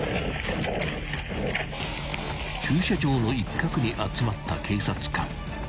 ［駐車場の一角に集まった警察官］